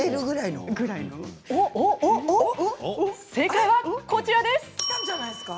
正解はこちらです。